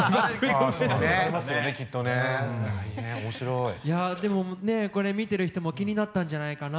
いやでもねこれ見てる人も気になったんじゃないかな？